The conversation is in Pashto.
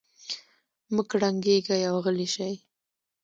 مه کړنګېږئ او غلي شئ.